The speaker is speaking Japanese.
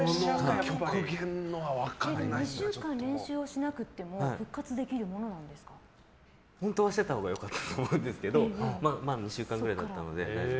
２週間練習をしなくても本当はしてたほうが良かったと思うんですけどまあ、２週間くらいだったので。